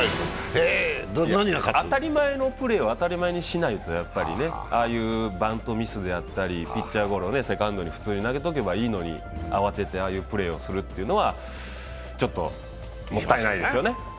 当たり前のプレーを当たり前にしないとね、ああいうバントミスであったりピッチャーゴロをセカンドに普通に投げとけばいいのに慌ててああいうプレーをするっていうのはちょっともったいないですよね。